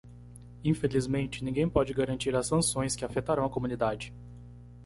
Infelizmente,? ninguém pode garantir as sanções que afetarão a comunidade.